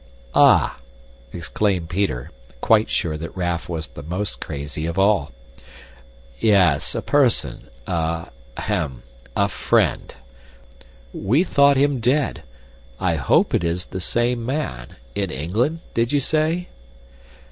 "Ah!" exclaimed Peter, quite sure that Raff was the most crazy of all. "Yes, a person. A ahem a friend. We thought him dead. I hope it is the same man. In England, did you say?"